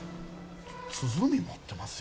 鼓持ってますよ。